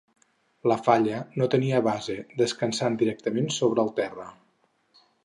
La falla no tenia base, descansant directament sobre el terra.